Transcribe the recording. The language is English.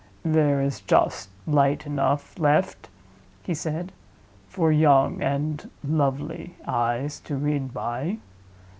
"There is just light enough left," he said, "for young (and lovely) eyes to read by.